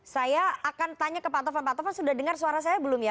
saya akan tanya ke pak tovan pak tovan sudah dengar suara saya belum ya